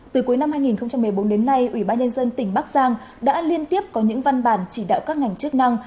từ cuối năm hai nghìn một mươi bốn đến nay ủy ban nhân dân tỉnh bắc giang đã liên tiếp có những văn bản chỉ đạo các ngành chức năng